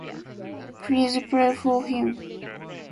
Please pray for him.